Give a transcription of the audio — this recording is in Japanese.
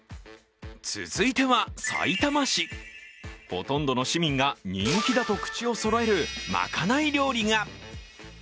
ほとんどの市民が人気だと口をそろえるまかない料理が。